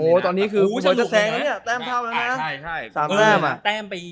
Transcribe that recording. โอ้ตอนนี้คือพี่มันจะแซงแล้วเนี่ยแต้มเท่าแล้วนะ